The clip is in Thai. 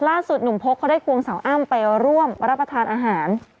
ล่าสุดหนุ่มพกเขาได้ควงสาวอ้ำไปร่วมรับประทานอาหาร